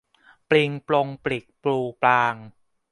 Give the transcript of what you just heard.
ปริงปรงปริกปรูปราง